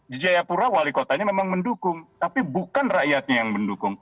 di jayapura wali kotanya memang mendukung tapi bukan rakyatnya yang mendukung